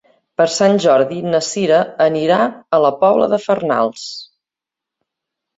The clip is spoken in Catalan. Per Sant Jordi na Sira anirà a la Pobla de Farnals.